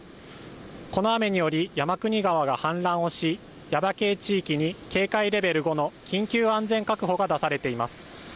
この雨により、山国川が氾濫をし、耶馬渓地域に警戒レベル５の緊急安全確保が出されています。